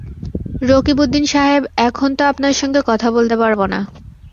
রকিবউদ্দিন সাহেব, এখন তো আপনার সঙ্গে কথা বলতে পারব না।